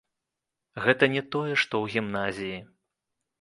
Гэта не тое, што ў гімназіі.